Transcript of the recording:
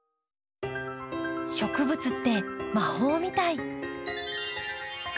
植物って魔法みたい。